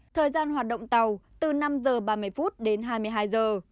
thời gian hoạt động tàu từ năm giờ ba mươi phút đến hai mươi hai giờ